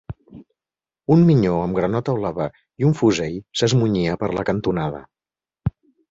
Un minyó amb granota blava i un fusell s'esmunyia per la cantonada.